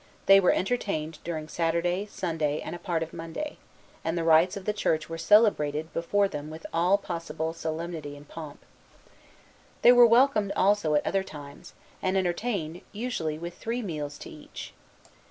They were entertained during Saturday, Sunday, and a part of Monday; and the rites of the Church were celebrated before them with all possible solemnity and pomp. They were welcomed also at other times, and entertained, usually with three meals to each.